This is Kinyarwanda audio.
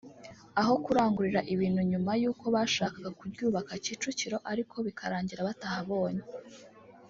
aho kurangurira ibintu nyuma y’uko bashakaga kuryubaka Kicukiro ariko bikarangira batahabonye